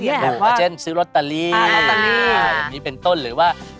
เยอะแหละว่าสิ้นแห่งกว่าอย่างนี้เป็นต้นหรือว่าเออรัตตาลี